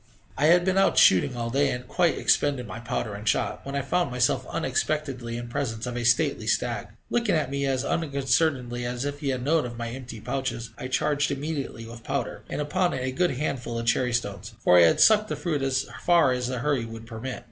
I had been out shooting all day, and had quite expended my powder and shot, when I found myself unexpectedly in presence of a stately stag, looking at me as unconcernedly as if he had known of my empty pouches. I charged immediately with powder, and upon it a good handful of cherrystones, for I had sucked the fruit as far as the hurry would permit.